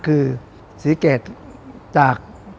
คือสีเกดจาก